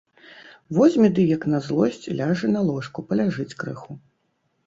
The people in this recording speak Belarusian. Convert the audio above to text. Возьме ды, як на злосць, ляжа на ложку, паляжыць крыху.